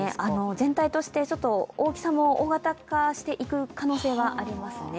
全体として大きさも大型化していく可能性はありますね。